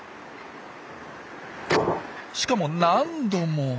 しかも何度も。